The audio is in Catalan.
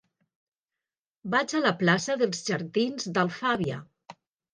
Vaig a la plaça dels Jardins d'Alfàbia.